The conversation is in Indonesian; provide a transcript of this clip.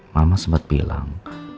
mama sempat bilang